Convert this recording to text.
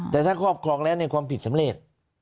แต่ถ้าครอบครองแล้วในความผิดสำเร็จ